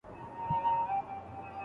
د خپل هېواد تاريخ په غور سره ولولئ.